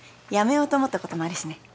辞めようと思ったこともあるしね。